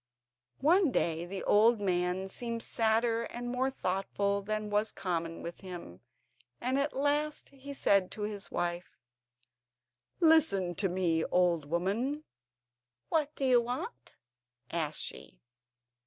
One day the old man seemed sadder and more thoughtful than was common with him, and at last he said to his wife: "Listen to me, old woman!" "What do you want?" asked she.